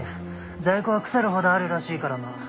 在庫は腐るほどあるらしいからな。